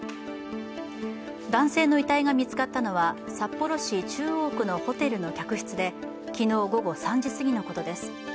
男性の遺体が見つかったのは札幌市中央区のホテルの客室で昨日午後３時すぎのことです。